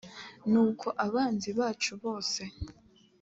nuko abanzi bacu bose